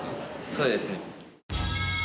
そうですね。